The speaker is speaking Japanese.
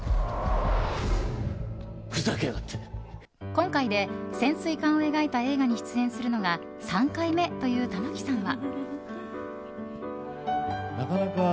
今回で、潜水艦を描いた映画に出演するのが３回目という玉木さんは。